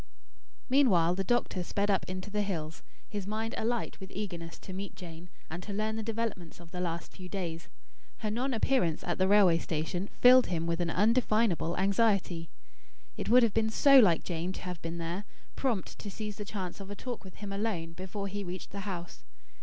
Meanwhile the doctor sped up into the hills, his mind alight with eagerness to meet Jane and to learn the developments of the last few days. Her non appearance at the railway station filled him with an undefinable anxiety. It would have been so like Jane to have been there, prompt to seize the chance of a talk with him alone before he reached the house.